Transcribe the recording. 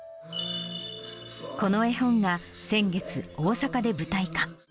この絵本が先月、大阪で舞台化。